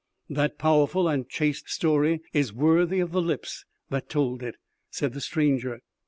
"That powerful and chaste story is worthy of the lips that told it," said the stranger.